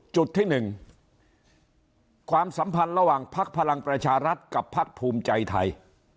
จุดที่๑ความสัมพันธ์ระหว่างพักพลังประชารัฐกับพักภูมิใจไทย